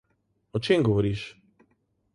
O čem govoriš?